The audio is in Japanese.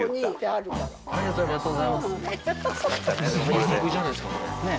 ありがとうございます。